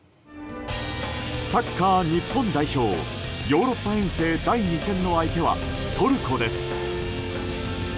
サッカー日本代表ヨーロッパ遠征第２戦の相手はトルコです。